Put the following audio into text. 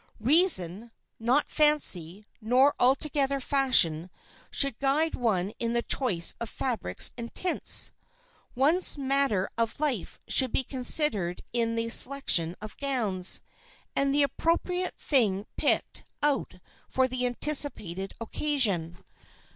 Reason, not fancy, nor altogether fashion, should guide one in the choice of fabrics and tints. One's manner of life should be considered in the selection of gowns, and the appropriate thing picked out for the anticipated occasion.